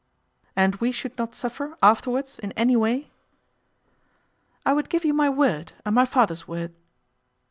'And we should not suffer afterwards in any way?' 'I would give you my word, and my father's word.